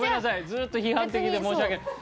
ずっと批判的で申し訳ない。